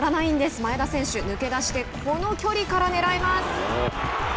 前田選手、抜け出してこの距離からねらいます。